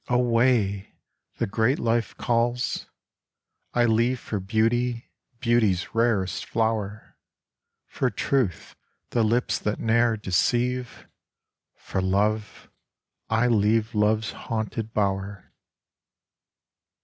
Away ! the great life calls ; I leave For Beauty, Beauty's rarest flower ; For Truth, the lips that ne'er deceive ; For Love, I leave Love's haunted bower.